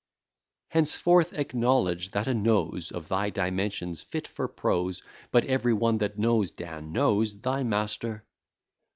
Henceforth acknowledge, that a nose Of thy dimension's fit for prose; But every one that knows Dan, knows thy master.